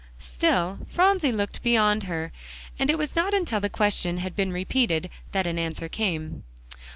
Still Phronsie looked beyond her, and it was not until the question had been repeated, that an answer came.